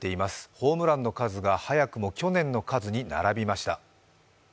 ホームランの数が早くも去年の数に並びました。